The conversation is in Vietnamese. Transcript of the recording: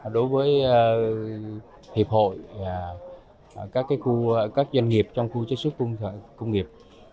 đối với hiệp hội các doanh nghiệp trong khu chế xuất công nghiệp